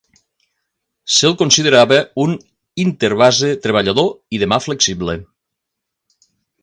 Se'l considerava un interbase treballador i de mà flexible.